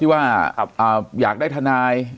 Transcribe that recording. ว่าอยากได้ทนาย